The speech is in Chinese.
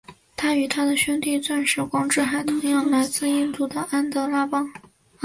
它与它的兄弟钻石光之海同样来自印度的安德拉邦。